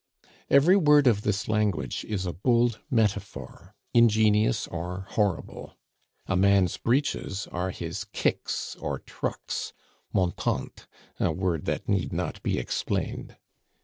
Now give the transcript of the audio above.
Every word of this language is a bold metaphor, ingenious or horrible. A man's breeches are his kicks or trucks (montante, a word that need not be explained).